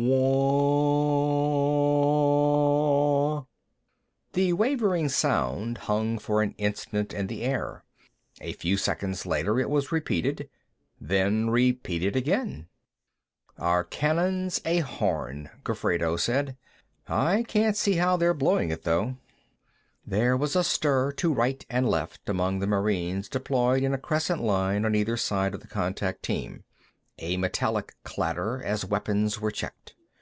Bwaaa waaa waaanh! The wavering sound hung for an instant in the air. A few seconds later, it was repeated, then repeated again. "Our cannon's a horn," Gofredo said. "I can't see how they're blowing it, though." There was a stir to right and left, among the Marines deployed in a crescent line on either side of the contact team; a metallic clatter as weapons were checked.